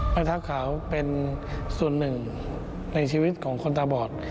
เท้าขาวเป็นส่วนหนึ่งในชีวิตของคนตาบอด